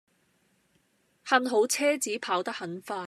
幸好車子跑得很快